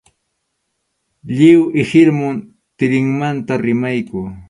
Lliw ihilmum tirinmanta rimaqku.